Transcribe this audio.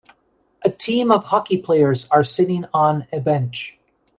A team of hockey players are sitting on a bench.